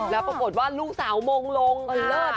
แล้วปรากฏว่าลูกสาวมงลงเลิศ